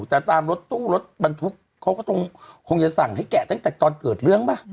แต่ตามรถตู้รถบรรทุกเขาก็คงจะสั่งให้แกะตั้งแต่ตอนเกิดเรื่องป่ะ